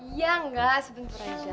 iya enggak sebentar aja